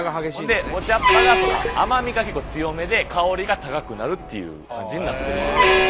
ほんでお茶っ葉が甘みが結構強めで香りが高くなるという感じになってるという。